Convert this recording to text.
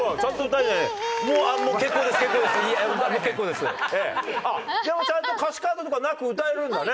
でもちゃんと歌詞カードとかなく歌えるんだね。